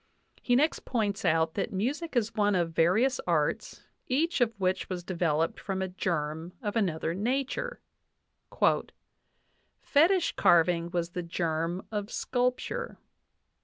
He next points out that music is one of various arts, each of which was developed from a germ of another nature : "Fetich carving was the germ of sculpture.